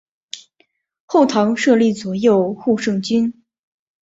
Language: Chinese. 后唐设立左右护圣军。